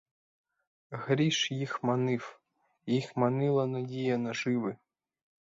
Гріш їх манив, їх манила надія наживи.